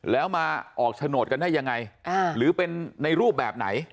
แล้วมาออกโฉนดกันได้ยังไงหรือเป็นในรูปแบบไหน